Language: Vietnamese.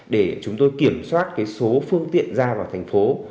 để chúng tôi kiểm soát số phương tiện ra vào thành phố